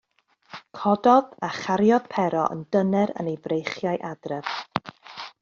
Cododd a chariodd Pero yn dyner yn ei freichiau adref.